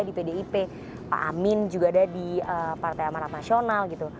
di pdip pak amin juga ada di partai amarat nasional gitu